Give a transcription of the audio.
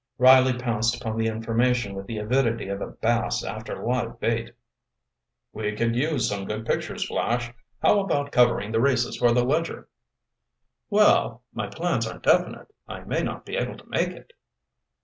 Riley pounced upon the information with the avidity of a bass after live bait. "We could use some good pictures, Flash. How about covering the races for the Ledger?" "Well—my plans aren't definite. I may not be able to make it."